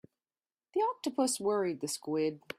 The octopus worried the squid.